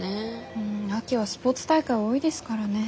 うん秋はスポーツ大会多いですからね。